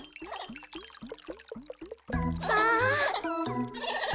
ああ。